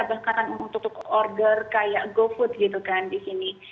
bahkan untuk order kayak gofood gitu kan di sini